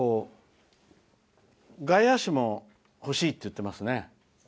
外野手も欲しいって言ってますね。